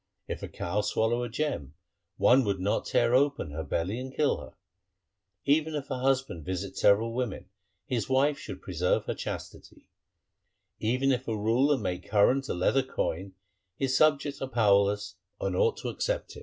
If a cow swallow a gem, one would not tear open her belly and kill her. Even if a husband visit several women, his wife should preserve her chastity. Even if a ruler make current a leather coin, the subjects are powerless, and ought to accept it. 1 Untipe crops are frequently cut in the East. 2 Asa.